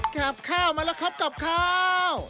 กลับข้าวมาแล้วครับกับข้าว